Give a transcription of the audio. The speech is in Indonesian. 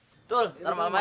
betul ntar malam aja